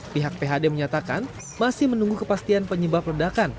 pihak phd menyatakan masih menunggu kepastian penyebab ledakan